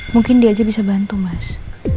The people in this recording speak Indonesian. mungkin dia aja bisa bantu mas